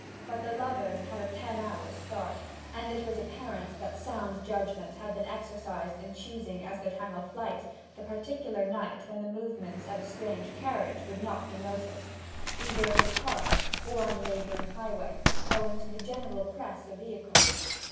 But the lovers had a ten hours' start; and it was apparent that sound judgment had been exercised in choosing as their time of flight the particular night when the movements of a strange carriage would not be noticed, either in the park or on the neighbouring highway, owing to the general press of vehicles.